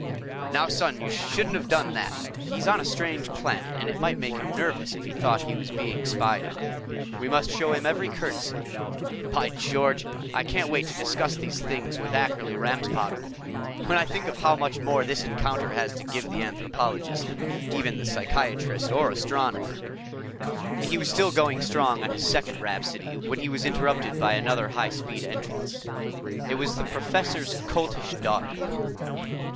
"Now, Son, you shouldn't have done that. He's on a strange planet and it might make him nervous if he thought he was being spied on. We must show him every courtesy. By George, I can't wait to discuss these things with Ackerly Ramsbottom! When I think of how much more this encounter has to give the anthropologist than even the physicist or astronomer ..." He was still going strong on his second rhapsody when he was interrupted by another high speed entrance. It was the Professor's Coltish Daughter.